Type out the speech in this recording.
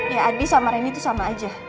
ya adi sama reni itu sama aja